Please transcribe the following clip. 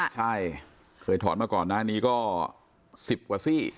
ใช่เคยถอนมาก่อนหน้านี้ก็๑๐กว่าซี่